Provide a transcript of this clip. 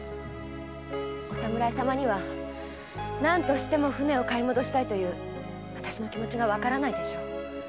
お侍様には何としても舟を買い戻したいというわたしの気持がわからないでしょう。